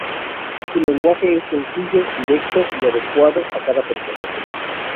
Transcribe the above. Su lenguaje es sencillo, directo y adecuado a cada personaje.